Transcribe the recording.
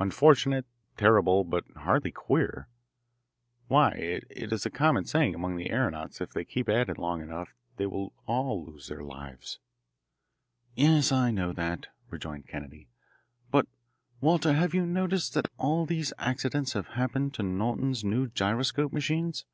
"Unfortunate, terrible, but hardly queer. Why, it is a common saying among the aeronauts that if they keep at it long enough they will all lose their lives." "Yes, I know that," rejoined Kennedy; "but, Walter, have you noticed that all these accidents have happened to Norton's new gyroscope machines?"